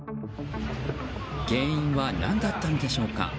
原因は何だったのでしょうか。